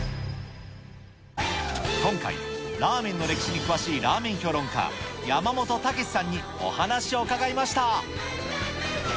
今回、ラーメンの歴史に詳しい詳しいラーメン評論家、山本剛志さんにお話を伺いました。